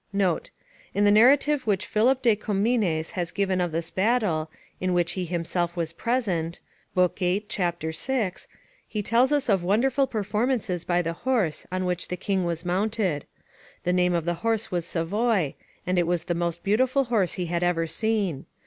[In the narrative which Philip de Commines has given of this battle, in which he himself was present (lib. viii. ch. 6), he tells us of wonderful performances by the horse on which the king was mounted. The name of the horse was Savoy, and it was the most beautiful horse he had ever seen.